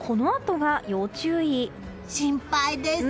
心配です。